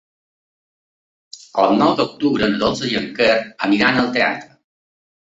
El nou d'octubre na Dolça i en Quer aniran al teatre.